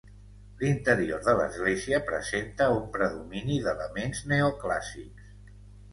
L'interior de l'església presenta un predomini d'elements neoclàssics.